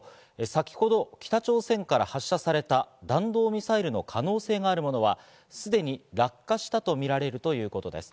先ほど北朝鮮から発射された弾道ミサイルの可能性があるものはすでに落下したとみられるということです。